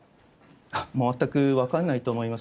もう全く分からないと思います。